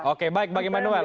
oke baik bang immanuel